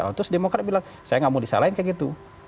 terus demokrat bilang saya nggak mau disalahin kayak gitu